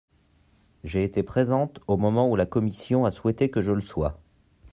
J’ai été présente au moment où la commission a souhaité que je le sois.